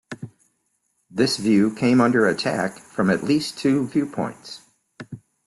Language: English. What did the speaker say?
This view came under attack from at least two viewpoints.